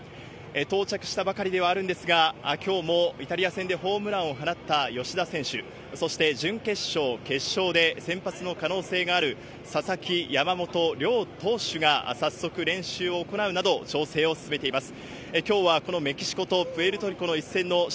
到着したばかりではあるんですが、きょうもイタリア戦でホームランを放った吉田選手、そして準決勝、決勝で先発の可能性がある佐々木、山本、両投手が早速、練習を行うなど、調整を進めています。